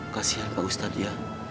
kasian pak ustad ya